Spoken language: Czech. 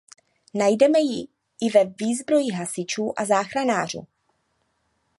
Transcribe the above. Najdeme ji i ve výzbroji hasičů a záchranářů.